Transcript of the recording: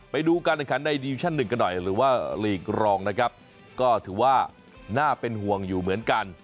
ไปดูการแข่งขันในดิวิชั่นหนึ่งกันหน่อยหรือว่าลีกรองนะครับก็ถือว่าน่าเป็นห่วงอยู่เหมือนกัน